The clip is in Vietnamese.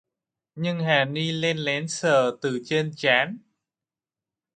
Nhưng hà ni len lén sờ từ trên trán